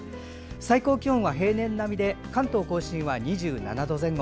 最高気温は平年並みで関東・甲信は２７度前後。